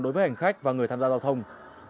đối với hành khách và người tham gia giao thông